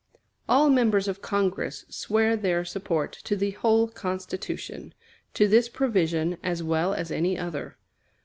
All members of Congress swear their support to the whole Constitution to this provision as well as any other.